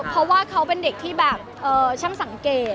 เพราะว่าเขาเป็นเด็กที่แบบช่างสังเกต